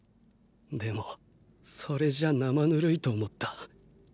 でもそれじゃ生ぬるいと思った。